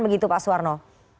begitu pak suwarno